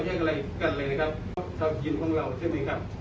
แยกอะไรกันเลยนะครับเพราะชาวจีนของเราใช่ไหมครับ